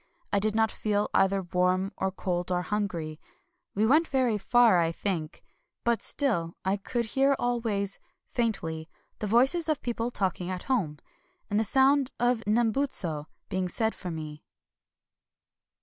I did not feel either warm or cold or hungry. We went very far, I think ; but still I could hear always, faintly, the voices of people talking at home ; and the sound of the Nembutsu ^ being said for me.